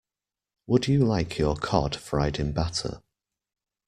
Would you like your cod fried in batter?